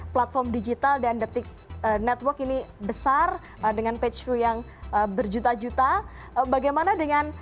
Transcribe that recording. platform digital dan detik network ini besar dengan patchw yang berjuta juta bagaimana dengan